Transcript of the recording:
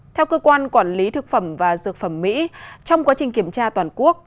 theo cơ quan quản lý thực phẩm và dược phẩm mỹ trong quá trình kiểm tra toàn quốc